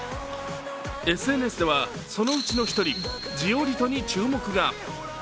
ＳＮＳでは、そのうちの１人、ジオリトに注目が。